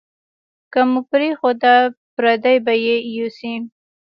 که مو پرېښوده، پردي به یې یوسي.